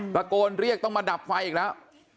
ตะโกนเรียกต้องมาดับไฟอีกแล้ว